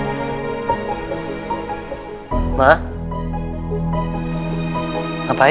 kau mau menikah dengan riri